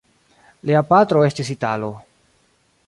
Lia patro estis italo.